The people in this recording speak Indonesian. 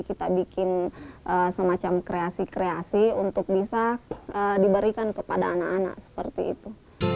kita bikin semacam kreasi kreasi untuk bisa diberikan kepada anak anak seperti itu